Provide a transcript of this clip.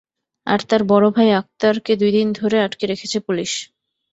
আর তার বড় ভাই আক্তারকে দুই দিন ধরে আটকে রেখেছে পুলিশ।